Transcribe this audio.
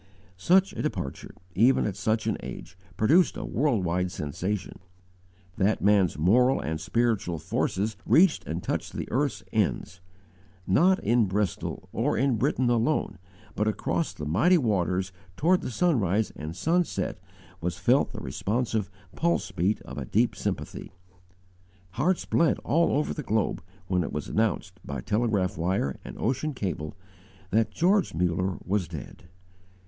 Such a departure, even at such an age, produced a worldwide sensation. That man's moral and spiritual forces reached and touched the earth's ends. Not in Bristol, or in Britain alone, but across the mighty waters toward the sunrise and sunset was felt the responsive pulse beat of a deep sympathy. Hearts bled all over the globe when it was announced, by telegraph wire and ocean cable, that George Muller was dead.